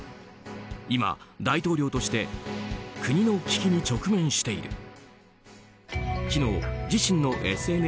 今、大統領として国の危機に直面している。